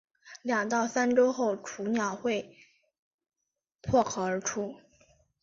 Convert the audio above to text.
两到三周后雏鸟就会破壳而出。